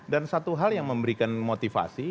dan satu hal yang memberikan motivasi